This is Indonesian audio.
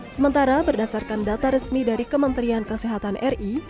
sementara berdasarkan data resmi dari kementerian kesehatan ri